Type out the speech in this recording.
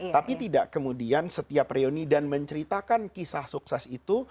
tapi tidak kemudian setiap reuni dan menceritakan kisah sukses itu